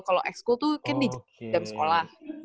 kalo ex school tuh kan di dalam sekolah